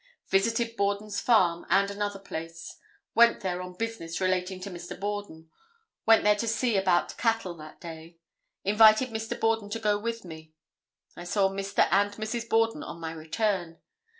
Visited Borden's farm and another place; went there on business relating to Mr. Borden; went there to see about cattle that day; invited Mr. Borden to go with me. I saw Mr. and Mrs. Borden on my return.